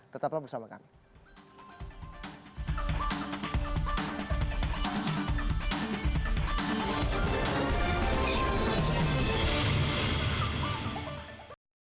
tetaplah bersama kami